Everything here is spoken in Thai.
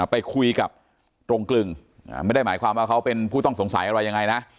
ไปคุยกับตรงกลึงไม่ได้หมายความว่าเขาเป็นผู้ต้องสงสัยอะไรยังไงนะ